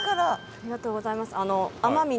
ありがとうございます。